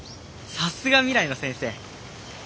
さすが未来の先生！！」。